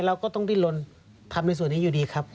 เราก็ต้องดิ้นลนทำในส่วนนี้อยู่ดีครับ